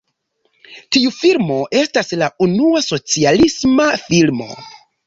Tiu filmo estas la unua "socialisma filmo".